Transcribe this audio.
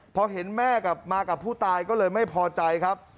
พอเห็นแม่กลับมากับผู้ตายก็เลยไม่พอใจครับ